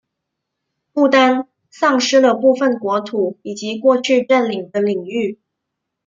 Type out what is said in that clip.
不丹丧失了部分国土以及过去占领的领域。